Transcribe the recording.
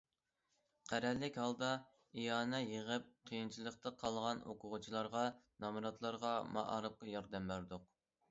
قەرەللىك ھالدا ئىئانە يىغىپ، قىيىنچىلىقتا قالغان ئوقۇغۇچىلارغا، نامراتلارغا، مائارىپقا ياردەم بەردۇق.